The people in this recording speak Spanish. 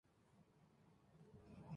Se encuentra en la comarca del Segriá.